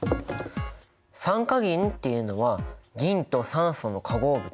酸化銀っていうのは銀と酸素の化合物。